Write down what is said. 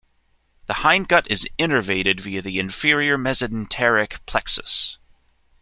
The hindgut is innervated via the inferior mesenteric plexus.